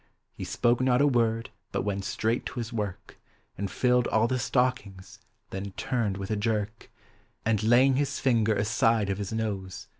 He spoke not a word, but went straight to his work. And tilled all the stockiugs; then turned with a jerk, And laying his linger aside of his nose.